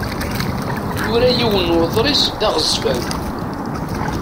Yura yiwen n uḍris d aɣezzfan.